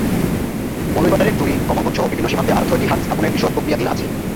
মৌলভীবাজারের জুড়ী, কমলগঞ্জসহ বিভিন্ন সীমান্তে আরও ছয়টি হাট স্থাপনের বিষয় প্রক্রিয়াধীন আছে।